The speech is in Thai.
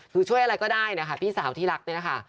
คือช่วยอะไรก็ได้นะคะพี่สาวที่รักเนี่ยนะคะ